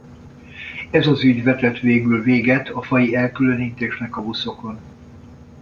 Ez az ügy vetett végül véget a faji elkülönítésnek a buszokon.